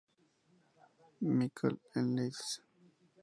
Michael en Leeds.